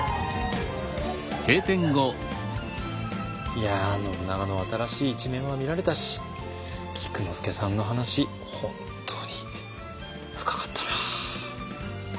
いや信長の新しい一面は見られたし菊之助さんの話本当に深かったな。